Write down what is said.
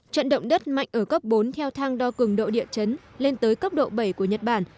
trận động đất mạnh ở cấp bốn theo thang đo cường độ địa chấn lên tới cấp độ bảy của nhật bản